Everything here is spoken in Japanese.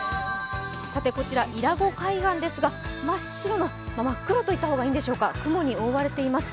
こちら、伊良湖海岸ですが真っ白の、真っ黒といった方がいいでしょうか、雲に覆われています。